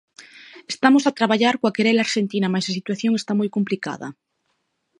Estamos a traballar coa Querela Arxentina mais a situación está moi complicada.